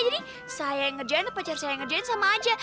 jadi saya yang ngerjain pacar saya yang ngerjain sama aja